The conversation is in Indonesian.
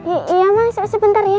iya mas sebentar ya